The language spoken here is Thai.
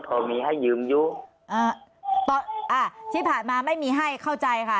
พอมีให้ยืมอยู่อ่าตอนอ่าที่ผ่านมาไม่มีให้เข้าใจค่ะ